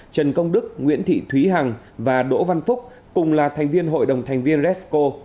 trần công đức nguyễn thị thúy hằng và đỗ văn phúc cùng là thành viên hội đồng thành viên resco